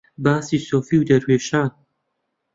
باسی سۆفی و دەروێشان